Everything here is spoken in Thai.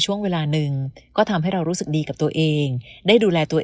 ช่วงเวลาหนึ่งก็ทำให้เรารู้สึกดีกับตัวเองได้ดูแลตัวเอง